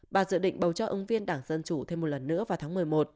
bà dự định bầu cho ứng viên đảng dân chủ thêm một lần nữa vào tháng một mươi một